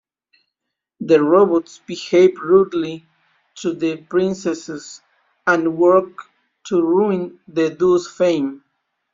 The robots behave rudely to the princesses and work to ruin the duo's fame.